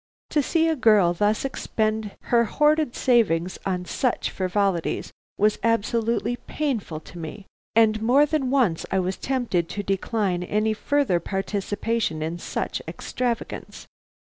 To see a girl thus expend her hoarded savings on such frivolities was absolutely painful to me, and more than once I was tempted to decline any further participation in such extravagance.